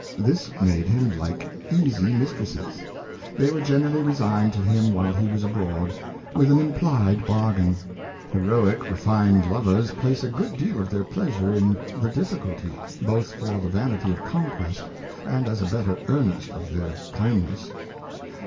This made him like easy Mistresses : They were generally re signed to him while he was abroad, with an imphed Bargain. Heroick refined Lovers place a good deal of their Pleasure in the Difficulty, both for the vanity of Conquest, and as a better earnest of their Kindness.